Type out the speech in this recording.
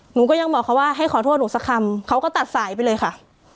หนูก็ยังบอกเขาว่าให้ขอโทษหนูสักคำเขาก็ตัดสายไปเลยค่ะ